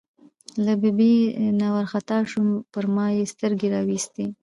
له ببۍ نه وار خطا شو، پر ما یې سترګې را وایستې.